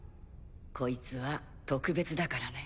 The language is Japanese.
こいつは特別だからね。